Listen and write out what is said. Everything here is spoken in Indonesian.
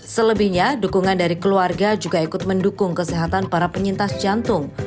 selebihnya dukungan dari keluarga juga ikut mendukung kesehatan para penyintas jantung